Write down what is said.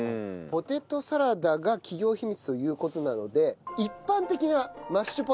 ポテトサラダが企業秘密という事なので一般的なマッシュポテト